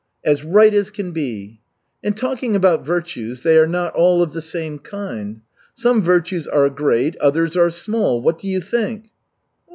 "As right as can be." "And talking about virtues they are not all of the same kind. Some virtues are great, others are small. What do you think?"